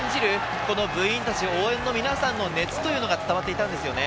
この部員たちの応援の皆さんの熱というのが伝わっていました。